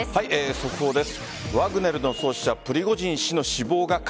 速報です。